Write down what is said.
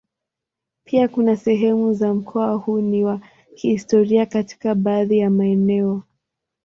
Pia kuna sehemu za mkoa huu ni wa kihistoria katika baadhi ya maeneo.